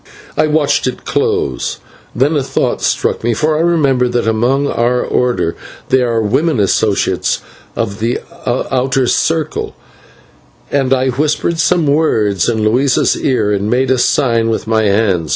I watched it close, then a thought struck me, for I remembered that among our Order there are women, associates of the outer circle, and I whispered some words into Luisa's ear and made a sign with my hand.